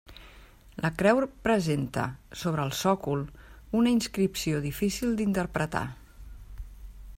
La creu presenta, sobre el sòcol, una inscripció difícil d'interpretar.